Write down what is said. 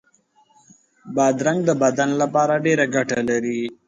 بادرنګ د بدن لپاره ډېره ګټه لري.